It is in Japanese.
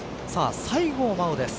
西郷真央です。